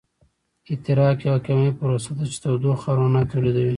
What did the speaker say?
احتراق یوه کیمیاوي پروسه ده چې تودوخه او رڼا تولیدوي.